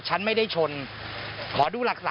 กระทั่งตำรวจก็มาด้วยนะคะ